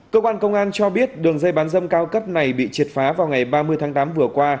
cơ quan công an cho biết đường dây bán dâm cao cấp này bị triệt phá vào ngày ba mươi tháng tám vừa qua